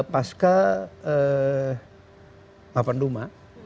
pasca mapan duma